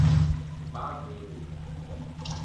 Pâ vëi.